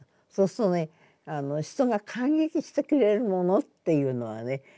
そうするとね人が感激してくれるものっていうのはね